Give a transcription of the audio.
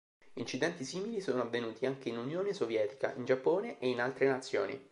Incidenti simili sono avvenuti anche in Unione Sovietica, in Giappone e in altre nazioni.